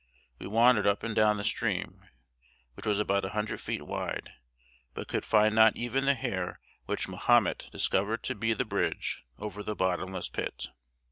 We wandered up and down the stream, which was about a hundred feet wide, but could find not even the hair which Mahomet discovered to be the bridge over the bottomless pit.